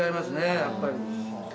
やっぱり。